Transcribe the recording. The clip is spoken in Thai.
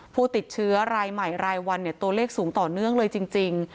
ผู้ติดเชื้อรายใหม่รายวันตัวเลขสูงต่อเนื่องเลยจริง